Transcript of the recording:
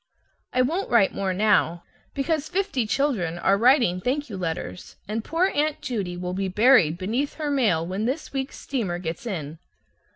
I won't write more now, because fifty children are writing thank you letters, and poor Aunt Judy will be buried beneath her mail when this week's steamer gets in.